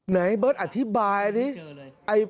เบิร์ตอธิบายอันนี้